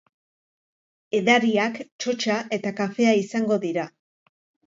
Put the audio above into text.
Edariak, txotxa eta kafea izango dira.